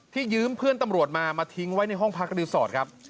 ยืมเพื่อนตำรวจมามาทิ้งไว้ในห้องพักรีสอร์ทครับ